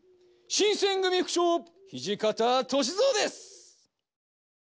新選組副長土方歳三です！